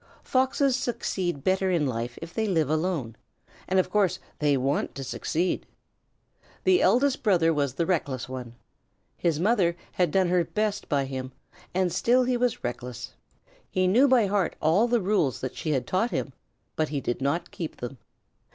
Foxes succeed better in life if they live alone, and of course they wanted to succeed. The eldest brother was the reckless one. His mother had done her best by him, and still he was reckless. He knew by heart all the rules that she had taught him, but he did not keep them.